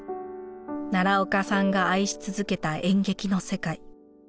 奈良岡さんが愛し続けた演劇の世界。